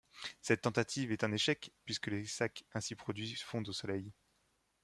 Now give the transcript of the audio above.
Cette tentative est un échec puisque les sacs ainsi produits fondent au soleil.